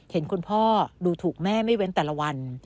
เห็นคุณพ่อดูถูกแม่ไม่เว้นแต่ละวัน